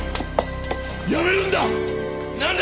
やめるんだ！